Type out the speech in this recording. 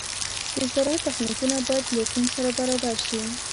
د زراعت تخنیکونه باید له اقلیم سره برابر شي.